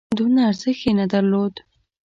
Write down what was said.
دونه ارزښت یې نه درلود.